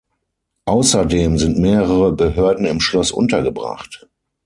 Außerdem sind mehrere Behörden im Schloss untergebracht.